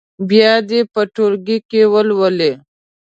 بیا دې یې په ټولګي کې ولولي.